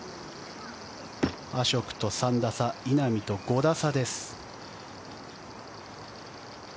アショクと３打差稲見と５打差です。